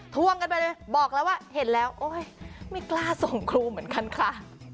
ทวงกันไปเลยบอกแล้วว่าเห็นแล้วโอ๊ยไม่กล้าส่งครูเหมือนกันค่ะ